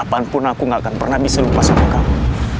apapun aku gak akan pernah bisa lupa sama kamu